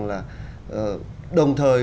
là đồng thời